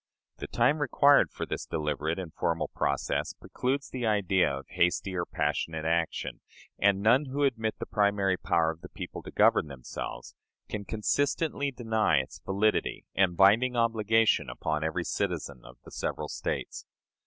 The time required for this deliberate and formal process precludes the idea of hasty or passionate action, and none who admit the primary power of the people to govern themselves can consistently deny its validity and binding obligation upon every citizen of the several States.